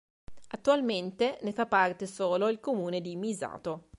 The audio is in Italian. Attualmente ne fa parte solo il comune di Misato.